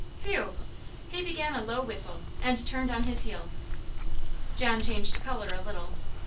"Phew!" He began a low whistle, and turned on his heel. John changed colour a little.